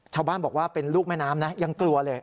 ชาวบ้านบอกว่าเป็นลูกแม่น้ำนะยังกลัวเลย